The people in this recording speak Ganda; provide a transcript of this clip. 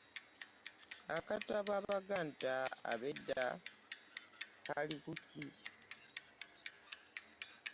Akatabo Abaganda Ab’Edda kali ku ki?